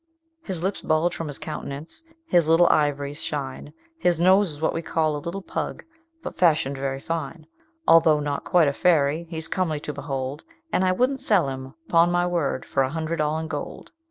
His lips bulge from his countenance his little ivories shine His nose is what we call a little pug, but fashioned very fine: Although not quite a fairy, he is comely to behold, And I wouldn't sell him, 'pon my word, for a hundred all in gold.